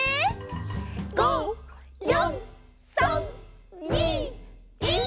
「５、４、３、２、１」